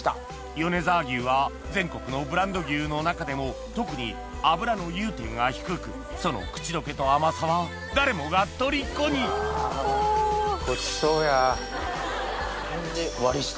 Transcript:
米沢牛は全国のブランド牛の中でも特に脂の融点が低くその口溶けと甘さは誰もがとりこにほんで割下か。